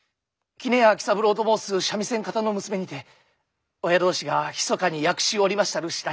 杵屋喜三郎と申す三味線方の娘にて親同士がひそかに約しおりましたる次第。